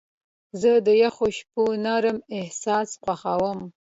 زه د یخو شپو نرم احساس خوښوم.